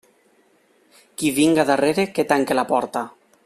Qui vinga darrere, que tanque la porta.